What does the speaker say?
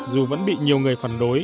dù vẫn bị nhiều người phản đối